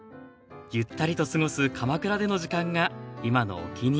ゆったりと過ごす鎌倉での時間が今のお気に入り